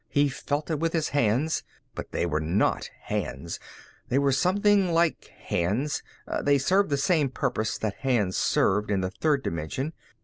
He felt it with his hands, but they were not hands. They were something like hands; they served the same purpose that hands served in the third dimension.